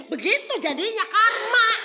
begitu jadinya karma